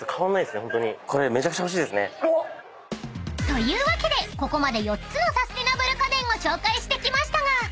［というわけでここまで４つのサスティナブル家電を紹介してきましたが］